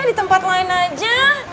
di tempat lain aja